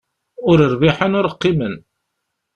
Ur rbiḥen ur qqimen.